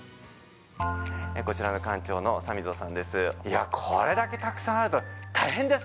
こちらの館長の三溝さんです。